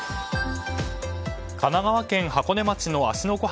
神奈川県箱根町の芦ノ